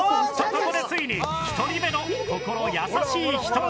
ここでついに１人目の心優しい人が。